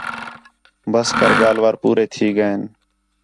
ٻس کر ڳالھ وار پورے تھی ڳئین